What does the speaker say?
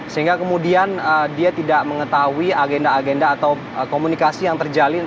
sehingga kemudian dia tidak mengetahui agenda agenda atau komunikasi yang terjalin